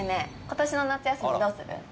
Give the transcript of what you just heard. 今年の夏休みどうする？